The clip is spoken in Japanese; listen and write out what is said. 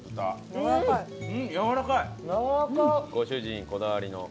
ご主人こだわりの。